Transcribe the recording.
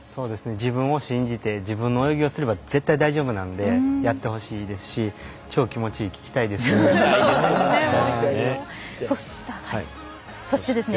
自分を信じて自分の泳ぎをすれば絶対大丈夫なのでやってほしいですしちょー気持ちいい聞きたいですね。